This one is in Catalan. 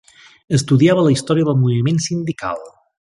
Estudiava la història del moviment sindical.